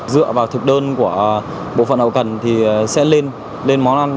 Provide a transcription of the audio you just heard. dựa vào thực đơn của bộ phận hậu cần thì sẽ lên món ăn